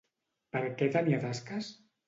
Per què tenia taques?